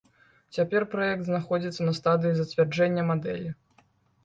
Цяпер праект знаходзіцца на стадыі зацвярджэння мадэлі.